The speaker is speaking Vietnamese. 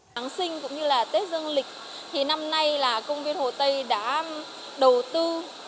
giáng sinh cũng như là tết dương lịch thì năm nay là công viên hồ tây đã đầu tư